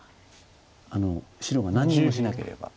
白が何にもしなければ。